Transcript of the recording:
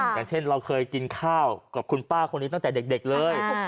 อย่างเช่นเราเคยกินข้าวกับคุณป้าคนนี้ตั้งแต่เด็กเลย